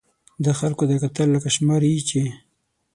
ده خلکو ته وکتل، لکه شماري یې چې.